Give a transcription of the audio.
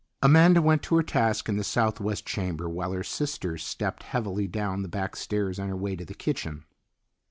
Amanda went to her task in the southwest chamber while her sister stepped heavily down the back stairs on her way to the kitchen.